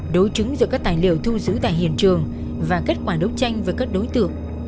đối chứng giữa các tài liệu thu giữ tại hiện trường và kết quả đấu tranh với các đối tượng